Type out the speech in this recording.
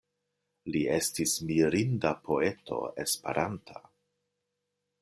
Li estis mirinda poeto Esperanta.